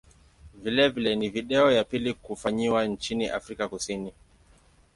Vilevile ni video ya pili kufanyiwa nchini Afrika Kusini.